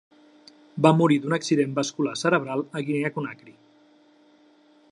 Va morir d'un accident vascular cerebral a Guinea Conakry.